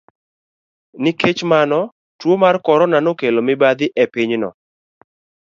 Nikech mano, tuo mar Corona nokelo mibadhi e pinyno.